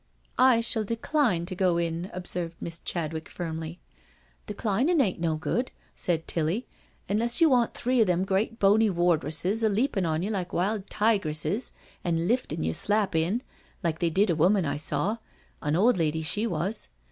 *' I shall decline to go in/' observed Miss Chadwick firmly. " Declinin* ain't no good," said Tilly, " unless you want three of them great boney wardresses a leapin' on you like wild tigresses an' liftin' you slap in, like they did a woman I saw— an old lady she was.